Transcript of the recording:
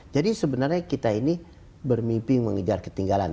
jadi sebenarnya kita ini bermimpi mengejar ketinggalan